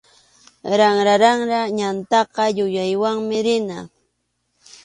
Ranraranra ñantaqa yuyaywanmi rina.